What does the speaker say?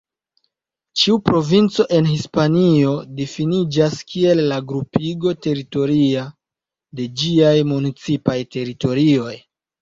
Ĉiu provinco en Hispanio difiniĝas kiel la grupigo teritoria de ĝiaj municipaj teritorioj.